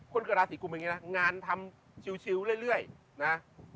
คนเกิดราศีกุมอย่างนี้นะงานทำชิวเรื่อยนะ